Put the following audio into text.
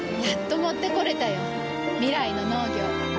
やっと持ってこれたよ。未来の農業。